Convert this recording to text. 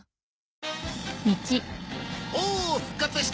おお復活した！